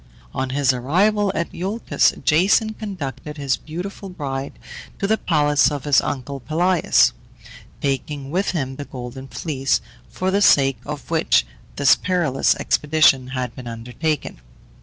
On his arrival at Iolcus, Jason conducted his beautiful bride to the palace of his uncle Pelias, taking with him the Golden Fleece, for the sake of which this perilous expedition had been undertaken.